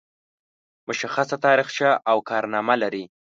مشخصه تاریخچه او کارنامه لري.